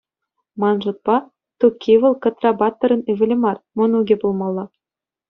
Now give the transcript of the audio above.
Ман шутпа, Тукки вӑл Кӑтра-паттӑрӑн ывӑлӗ мар, мӑнукӗ пулмалла.